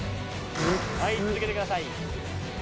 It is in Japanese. はい続けてください。